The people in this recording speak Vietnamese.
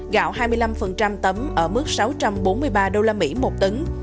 gạo hai mươi năm tấm ở mức sáu trăm bốn mươi ba đô la mỹ một tấn